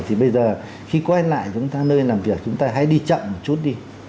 thì bây giờ khi quay lại chúng ta nơi làm việc chúng ta hãy đi chậm một chút đi